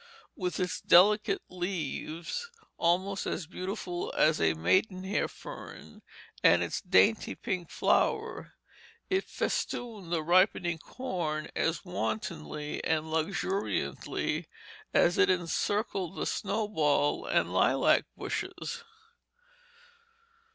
With its delicate leaves, almost as beautiful as a maidenhair fern, and its dainty pink flower, it festooned the ripening corn as wantonly and luxuriantly as it encircled the snowball and lilac bushes.